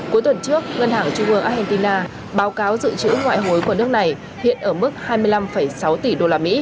cuối tuần trước ngân hàng trung ương argentina báo cáo dự trữ ngoại hối của nước này hiện ở mức hai mươi năm sáu tỷ usd